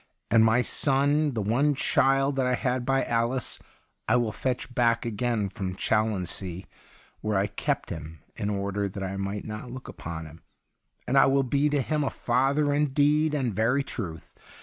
And my son, the one child that I had by Alice, I will fetch back again from Challonsea, where I kept him in order that I might not look upon him, and I will be to him a father in deed and very truth.